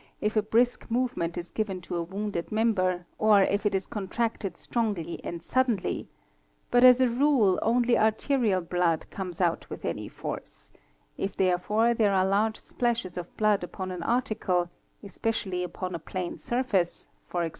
if a brisk movement is given to a wounded member or if it — is contracted strongly and suddenly), but as a rule only arterial blood comes out with any force; if therefore there are large splashes of blood upon an article, especially upon a plane surface, e.g.